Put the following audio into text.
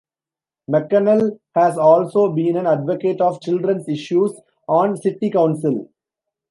McConnell has also been an advocate of children's issues on city council.